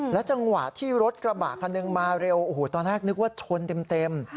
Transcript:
จังหวะที่รถกระบะคันหนึ่งมาเร็วโอ้โหตอนแรกนึกว่าชนเต็ม